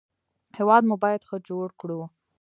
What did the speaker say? هېواد مو باید ښه جوړ کړو